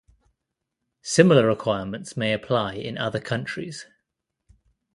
Similar requirements may apply in other countries.